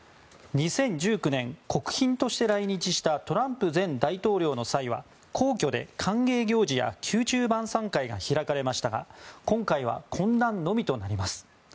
２０１９年国賓として来日したトランプ前大統領の際は皇居で歓迎行事や宮中晩さん会が開かれましたが今回は懇談のみとなります。